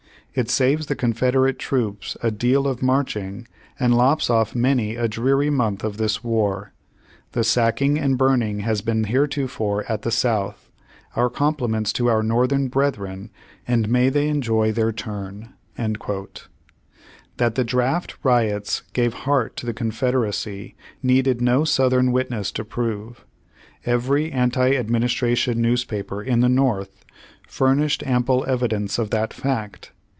It saves the Confederate troops a deal of march ing, and lops off many a dreary month of this war. The sacking and burning has been heretofore at the South. Our compliments to our Northern 'brethren,' and may they enjoy their turn." That the draft riots gave heart to the Con federacy needed no Southern witnesses to prove. Every anti administration newspaper in the North furnished ample evidence of that fact.